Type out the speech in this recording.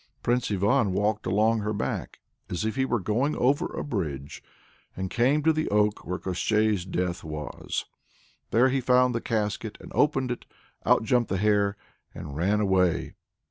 Prince Ivan walked along her back, as if he were going over a bridge, and came to the oak where Koshchei's death was. There he found the casket and opened it out jumped the hare and ran away.